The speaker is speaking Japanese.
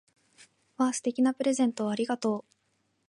わぁ！素敵なプレゼントをありがとう！